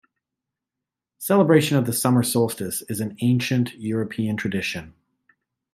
Celebration of the summer solstice is an ancient European tradition.